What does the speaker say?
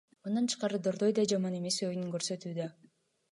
Мындан тышкары, Дордой да жаман эмес оюн көрсөтүүдө.